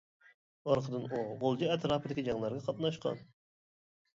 ئارقىدىن ئۇ غۇلجا ئەتراپىدىكى جەڭلەرگە قاتناشقان.